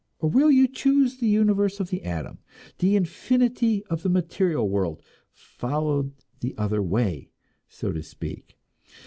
Or will you choose the universe of the atom, the infinity of the material world followed the other way, so to speak?